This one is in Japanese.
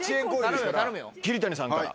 桐谷さんから。